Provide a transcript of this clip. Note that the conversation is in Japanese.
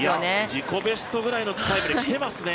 自己ベストぐらいのタイムできていますね。